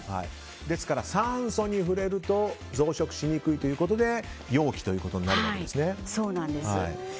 ですから酸素に触れると増殖しにくいということで容器ということになるわけですね。